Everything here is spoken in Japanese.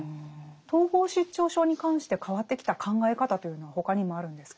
統合失調症に関して変わってきた考え方というのは他にもあるんですか？